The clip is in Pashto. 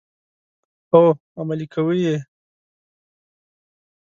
هو، عملي کوي یې.